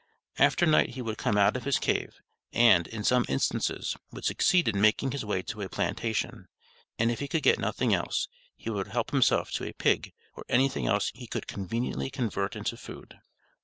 After night he would come out of his cave, and, in some instances, would succeed in making his way to a plantation, and if he could get nothing else, he would help himself to a "pig," or anything else he could conveniently convert into food.